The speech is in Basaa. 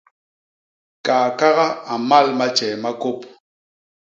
Kaakaga a mmal matjee ma kôp.